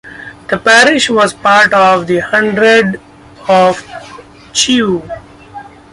The parish was part of the hundred of Chew.